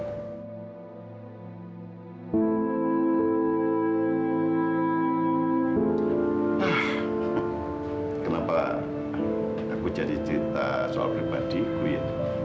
nah kenapa aku jadi cerita soal pribadiku ya